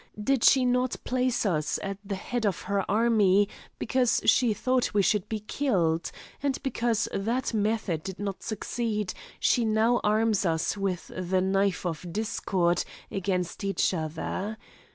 Did she not place us at the head of her army, because she thought we should be killed? And because that method did not succeed, she now arms us with the knife of discord against each other.